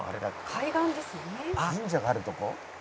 「神社があるとこ？」